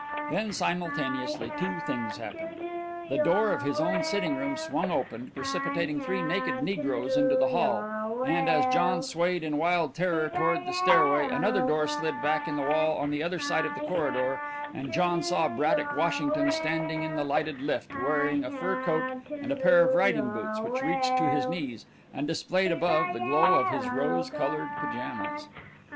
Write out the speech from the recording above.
Then simultaneously two things happened. The door of his own sitting room swung open, precipitating three naked negroes into the hall and, as John swayed in wild terror toward the stairway, another door slid back in the wall on the other side of the corridor, and John saw Braddock Washington standing in the lighted lift, wearing a fur coat and a pair of riding boots which reached to his knees and displayed, above, the glow of his rose colored pyjamas.